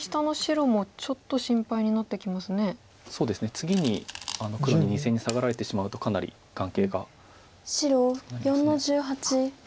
次に黒に２線にサガられてしまうとかなり眼形が薄くなります。